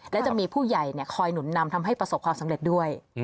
และจะมีผู้ใหญ่คอยหนุนนำทำให้ประสบความสำเร็จด้วย